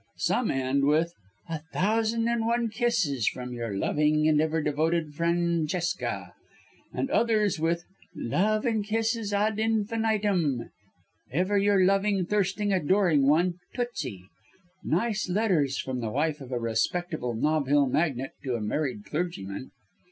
Some end with 'A thousand and one kisses from your loving and ever devoted Francesca,' and others with 'Love and kisses ad infinitum, ever your loving, thirsting, adoring one, Toosie!' Nice letters from the wife of a respectable Nob Hill magnate to a married clergyman!"